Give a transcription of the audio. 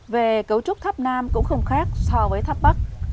về cấu trúc tháp nam cũng không khác so với tháp bắc